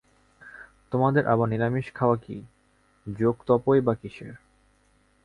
তোমাদের আবার নিরামিষ খাওয়া কী, যোগ-তপই বা কিসের!